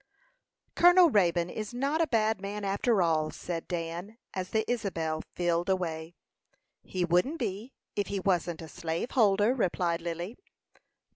"Colonel Raybone is not a bad man, after all," said Dan, as the Isabel filled away. "He wouldn't be, if he wasn't a slaveholder," replied Lily.